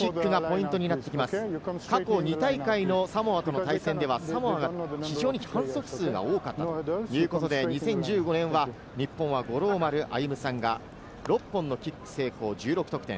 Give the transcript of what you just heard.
過去２大会のサモアとの対戦では、サモアが非常に反則数が多かったということで、２０１５年は日本は五郎丸歩さんが６本のキック成功１６得点。